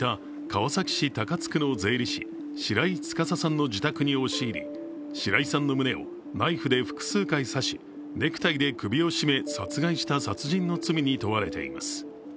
川崎市高津区の税理士、白井僚さんの自宅に押し入り白井さんの胸をナイフで複数回刺し、ネクタイで首を絞め殺害した殺人の罪に問われています。